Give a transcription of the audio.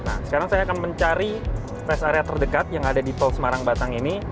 nah sekarang saya akan mencari rest area terdekat yang ada di tol semarang batang ini